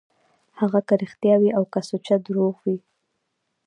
هغه که رښتيا وي او که سوچه درواغ وي.